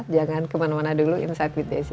jangan kemana mana dulu insight with desi